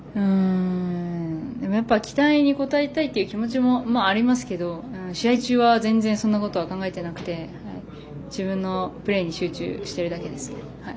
やっぱり期待に応えたいっていう気持ちもありますけど試合中は全然そんなことは考えてなくて自分のプレーに集中してるだけですね。